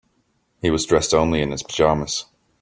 He was dressed only in his pajamas.